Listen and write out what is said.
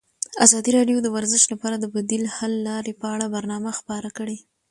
ازادي راډیو د ورزش لپاره د بدیل حل لارې په اړه برنامه خپاره کړې.